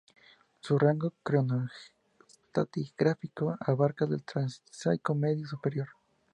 Su rango cronoestratigráfico abarcaba el Triásico medio y superior.